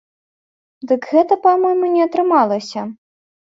Дык гэта, па-мойму, не атрымалася.